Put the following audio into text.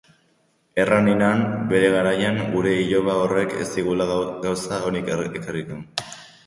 Erran ninan bere garaian, gure iloba horrek ez zigula gauza onik ekarriko!